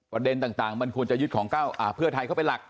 ประเด็นต่างมันควรจะยึดของเพื่อไทยเข้าไปหลัก